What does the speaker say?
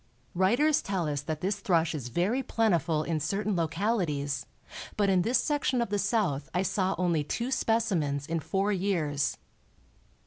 Writers tell us that this thrush is very plentiful in certain localities, but in this section of the South I saw only two specimens in four years.